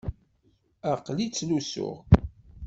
Aql-i ttluseɣ.